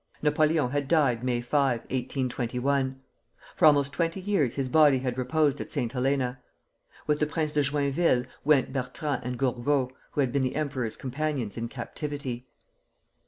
Napoleon had died May 5, 1821. For almost twenty years his body had reposed at St. Helena. With the Prince de Joinville went Bertrand and Gourgaud, who had been the Emperor's companions in captivity.